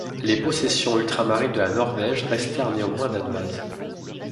Les possessions ultramarines de la Norvège restèrent néanmoins danoises.